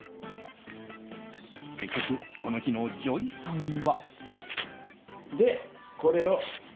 結局、この日のＪＯＹさんは。